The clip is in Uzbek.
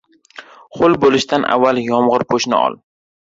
• Ho‘l bo‘lishdan avval yomg‘irpo‘shni ol.